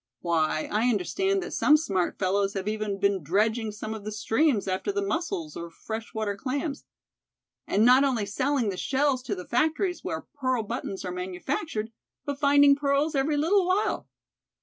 Why, I understand that some smart fellows have even been dredging some of the streams after the mussels or fresh water clams; and not only selling the shells to the factories where pearl buttons are manufactured, but finding pearls every little while."